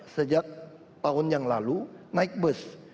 sejak tahun yang lalu naik bus